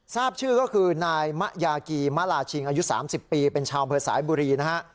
ทราบชื่อก็คือนายมะยากีมะลาชิงอายุ๓๐ปีเป็นชาวอำเภอสายบุรีนะฮะ